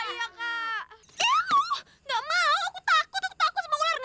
eww gak mau aku takut aku takut sama ular gak mau